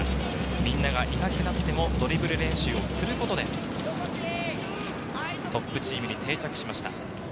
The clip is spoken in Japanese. みんながいなくなってもドリブル練習をすることで、トップチームに定着しました。